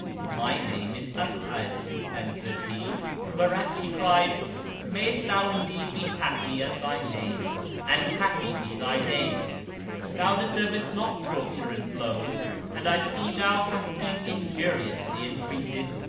"My name is As'ad," answered he; whereat she cried, "Mayst thou indeed be happy as thy name,[FN#399] and happy be thy days! Thou deservest not torture and blows, and I see thou hast been injuriously entreated."